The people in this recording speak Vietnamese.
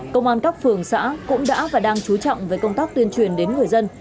công an các phường xã cũng đã và đang chú trọng với công tác tuyên truyền đến người dân